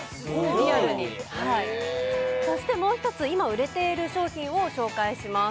リアルにはいそしてもう一つ今売れている商品を紹介します